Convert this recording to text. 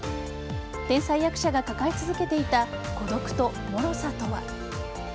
天才役者が抱え続けていた孤独ともろさとは？